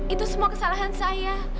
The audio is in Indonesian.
itu semua kesalahan saya